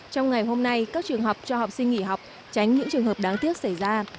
trong ngày hôm nay các trường học cho học sinh nghỉ học tránh những trường hợp đáng tiếc xảy ra